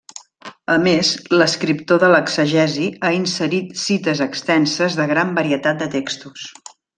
A més, l'escriptor de l'exegesi ha inserit cites extenses de gran varietat de textos.